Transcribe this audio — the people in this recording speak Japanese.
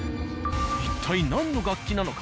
一体何の楽器なのか。